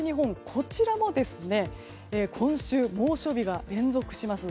こちらも今週猛暑日が連続します。